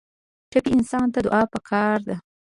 ټپي انسان ته دعا پکار ده.